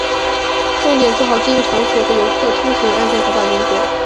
重点做好经营场所和游客出行安全防范工作